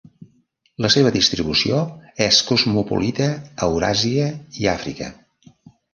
La seva distribució és cosmopolita a Euràsia i Àfrica.